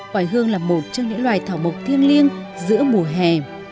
quả hương là một trong những loài thảo mộc thiêng liêng giữa mùa hè